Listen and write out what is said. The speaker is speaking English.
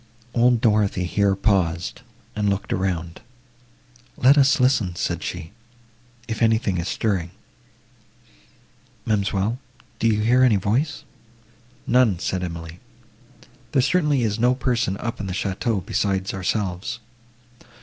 Old Dorothée here paused, and looked around; "Let us listen," said she, "if anything is stirring; Ma'amselle, do you hear any voice?" "None," said Emily, "there certainly is no person up in the château, besides ourselves."